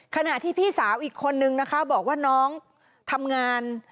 ขณะที่พี่สาวอีกคนนึงนะคะบอกว่าน้องทำงาน